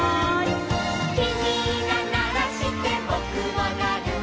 「きみがならしてぼくもなる」